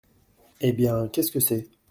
Eh bien, qu’est ce que c’est ?